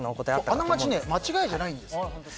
あながち間違いじゃないんですよ。